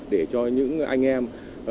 để cho những anh em